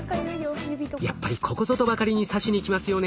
やっぱりここぞとばかりに刺しにきますよね。